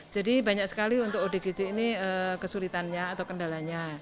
jadi banyak sekali untuk odgj ini kesulitannya atau kendalanya